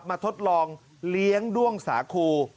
ทดลองเลี้ยงด้วงสาคู